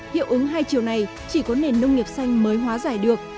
hiệu ứng hai chiều này chỉ có nền nông nghiệp xanh mới hóa giải được